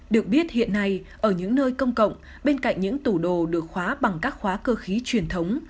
được biết hiện nay ở những nơi công cộng bên cạnh những tủ đồ được khóa bằng các khóa cơ khí truyền thống